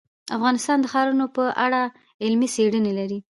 افغانستان د ښارونه په اړه علمي څېړنې لري.